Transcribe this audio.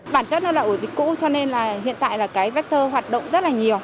bản chất nó là ổ dịch cũ cho nên là hiện tại là cái vector hoạt động rất là nhiều